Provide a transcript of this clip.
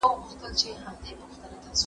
له تېرو سياسي تېروتنو څخه عبرت واخلئ.